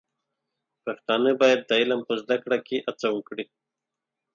پښتانه بايد د علم په زده کړه کې هڅه وکړي.